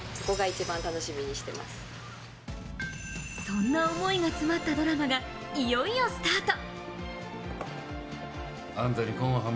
そんな思いが詰まったドラマがいよいよスタート。